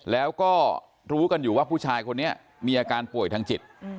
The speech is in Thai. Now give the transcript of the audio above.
แล้วก็รู้กันอยู่ว่าผู้ชายคนนี้มีอาการป่วยทางจิต